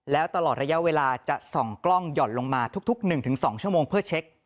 แล้วตลอดระยะเวลาจะส่องกล้องหย่อนลงมาทุก๑๒ชั่วโมงเพื่อเช็ค